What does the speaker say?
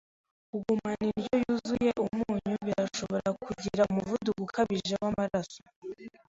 Kugumana indyo yuzuye umunyu birashobora kugira umuvuduko ukabije wamaraso.